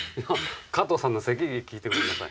加藤さんのせき聞いてごらんなさい。